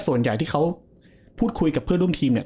ส่วนใหญ่ที่เขาพูดคุยกับเพื่อนร่วมทีมเนี่ย